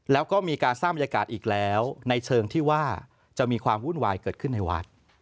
แล้วก็มีการสร้างบรรยากาศอีกแล้วในเชิงที่ว่าจะมีความวุ่นวายเกิดขึ้นในวัด